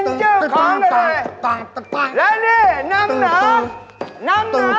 เมื่อไหลพี่น้องอย่ามาคบกันดี